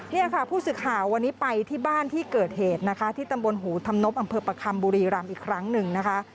นี่ค่ะผู้สื่อข่าววันนี้ไปที่บ้านที่เกิดเหตุนะคะที่ตำบลหูธรรมนบอำเภอประคำบุรีรำอีกครั้งหนึ่งนะคะ